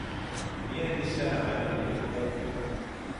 Ни, Әнисә, радионы туҡтат.